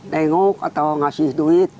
nengok atau ngasih duit